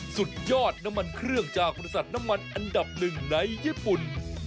สุดยอดน้ำมันเครื่องจากบริษัทน้ำมันอันดับหนึ่งในญี่ปุ่น